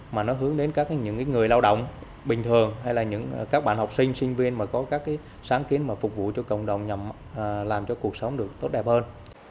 mà nó hướng đến những người lao động bình thường hay là những các bạn học sinh sinh viên mà có các sáng kiến mà phục vụ cho cộng đồng nhằm làm cho cuộc sống được tốt đẹp hơn